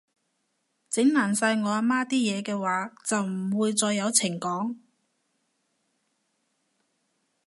整爛晒我阿媽啲嘢嘅話，就唔會再有情講